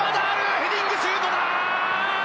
ヘディングシュートだ！